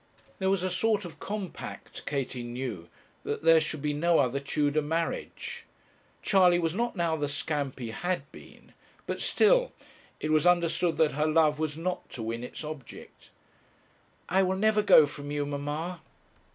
There was a sort of compact, Katie knew, that there should be no other Tudor marriage. Charley was not now the scamp he had been, but still it was understood that her love was not to win its object. 'I will never go from you, mamma.'